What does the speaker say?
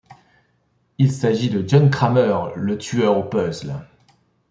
Il s'agit de John Kramer, le tueur au puzzle.